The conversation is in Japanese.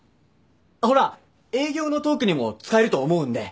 あっほら営業のトークにも使えると思うんでだから。